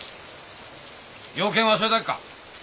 用件はそれだけか？